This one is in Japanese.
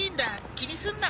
気にするな。